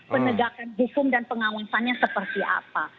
penegakan hukum dan pengawasannya seperti apa